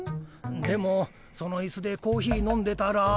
でもそのイスでコーヒー飲んでたら。